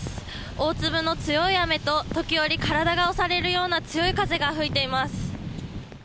大粒の強い雨と、時折、体が押されるような強い風が吹いています。